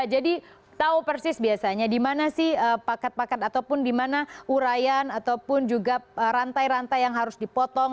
jadi tahu persis biasanya di mana sih paket paket ataupun di mana urayan ataupun juga rantai rantai yang harus dipotong